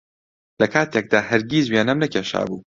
لەکاتێکدا هەرگیز وێنەم نەکێشابوو